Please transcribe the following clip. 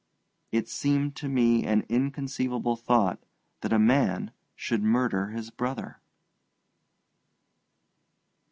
It seemed to me an inconceivable thought that a man should murder his brother.